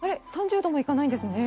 ３０度も行かないんですね。